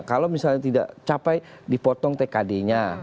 kalau misalnya tidak capai dipotong tkd nya